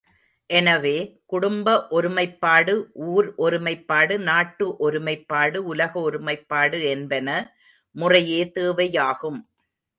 எனவே, குடும்ப ஒருமைப்பாடு ஊர் ஒருமைப்பாடு நாட்டு ஒருமைப்பாடு உலக ஒருமைப்பாடு என்பன முறையே தேவையாகும்.